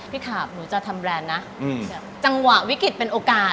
ขาบหนูจะทำแบรนด์นะจังหวะวิกฤตเป็นโอกาส